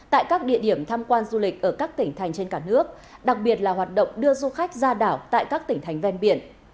tại các địa điểm tham quan du lịch ở các tỉnh thành trên cả nước đặc biệt là hoạt động đưa du khách ra đảo tại các tỉnh thành ven biển